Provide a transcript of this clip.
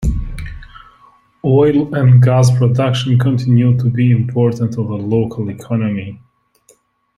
Oil and gas production continue to be important to the local economy.